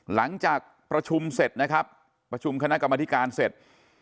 หลังจากประชุมเสร็จนะครับประชุมคณะกรรมธิการเสร็จ